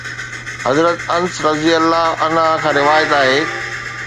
حضرت انس رضي الله عنه کان روايت آهي.